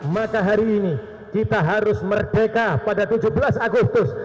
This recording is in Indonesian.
maka hari ini kita harus merdeka pada tujuh belas agustus